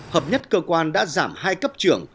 hợp nhất cơ quan đã giảm hai cấp trưởng